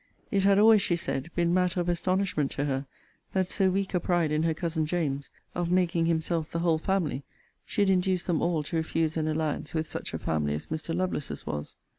'It had always,' she said, 'been matter of astonishment to her, that so weak a pride in her cousin James, of making himself the whole family, should induce them all to refuse an alliance with such a family as Mr. Lovelace's was.